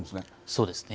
そうですね。